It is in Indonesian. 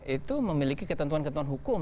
itu memiliki ketentuan ketentuan hukum